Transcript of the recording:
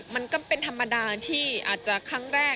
มันก็เป็นธรรมดาที่อาจจะครั้งแรก